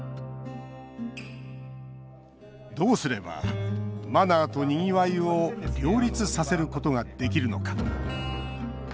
どうすればマナーと、にぎわいを両立させることができるのか。